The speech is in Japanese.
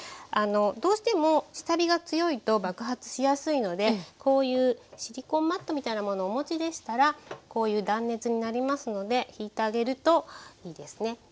どうしても下火が強いと爆発しやすいのでこういうシリコンマットみたいなものをお持ちでしたらこういう断熱になりますのでひいてあげるといいですね。